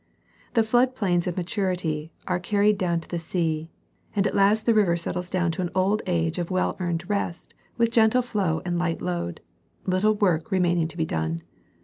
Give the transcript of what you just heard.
The flood plains of maturity are carried down to the sea, and at last the river settles down to an old age of well earned rest with gentle flow and light load, little work re maining to be done.